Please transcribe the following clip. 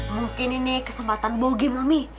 mungkin ini kesempatan bogi mami